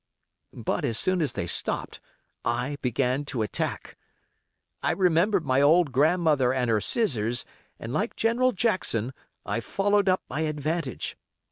But as soon as they stopped, I began to attack. I remembered my old grandmother and her scissors, and, like General Jackson, I followed up my advantage.